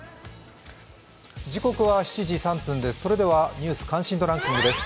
時刻は７時３分です、「ニュース関心度ランキング」です。